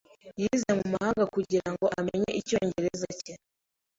Yize mu mahanga kugira ngo amenye icyongereza cye.